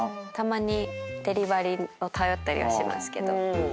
たまにデリバリーを頼ったりはしますけど。